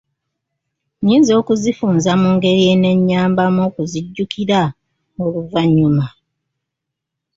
Nnyinza okuzifunza mu ngeri enannyamba okuzijjukira oluvannyuma?